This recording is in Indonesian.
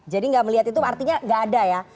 jadi gak melihat itu artinya gak ada ya